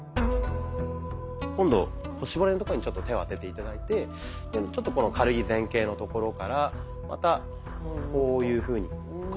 今度腰骨のところにちょっと手を当てて頂いてちょっとこの軽い前傾のところからまたこういうふうに。